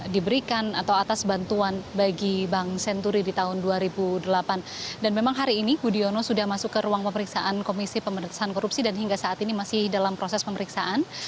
dan hingga saat ini masih dalam proses pemeriksaan